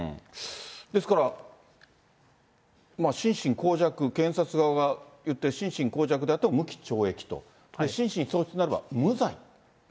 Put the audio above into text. ですから、心神耗弱、検察側がいって、心神耗弱であって無期懲役と、心神喪失ならば無罪。